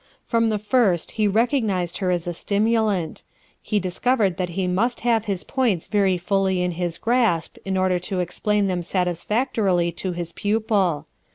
From the first he recognized her as a stimulant; be discovered that he must have his points very fully in his grasp in order to ex plain them satisfactorily to his pupil.